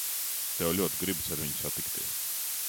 Tev ļoti gribas ar viņu satikties.